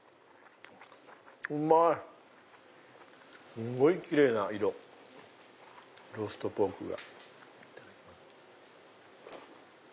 すんごいキレイな色ローストポークが。